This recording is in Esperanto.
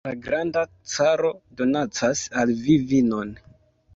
La granda caro donacas al vi vinon!